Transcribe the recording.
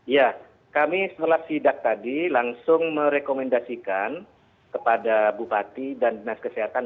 ya kami setelah sidak tadi langsung merekomendasikan kepada bupati dan dinas kesehatan